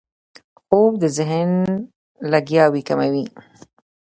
خوب د ذهن لګیاوي کموي